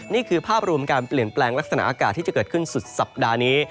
นี่คือภาพรวมการเปลี่ยนแปลงลักษณะอากาศที่จะเกิดขึ้นสุดสัปดาห์นี้